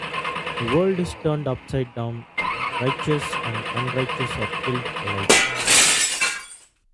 The world is turned upside down: righteous and unrighteous are killed alike.